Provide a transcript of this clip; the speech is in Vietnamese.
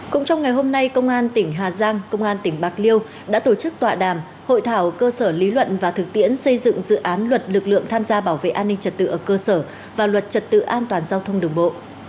cũng trong ngày hôm nay công an tỉnh hà giang công an tỉnh bạc liêu đã tổ chức tọa đàm hội thảo cơ sở lý luận và thực tiễn xây dựng dự án luật lực lượng tham gia bảo vệ an ninh trật tự ở cơ sở và luật trật tự an toàn giao thông đường bộ